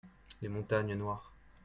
Les Montagnes Noires.